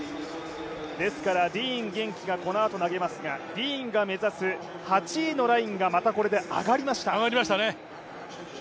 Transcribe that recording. ですからディーン元気がこのあと投げますが、ディーンが目指す８位のラインがまたこれで上がりました。